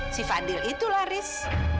si fadil itulah riz